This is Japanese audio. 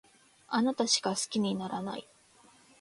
あなたしか好きにならない